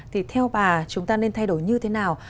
thì theo bà chúng ta nên thay đổi như thế nào